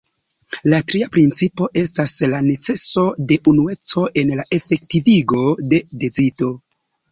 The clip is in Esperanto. La tria principo estas la neceso de unueco en la efektivigo de decido.